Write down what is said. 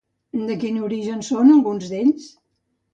De quin origen són alguns d'ells?